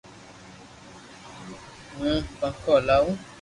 ھون پنکو ھلاو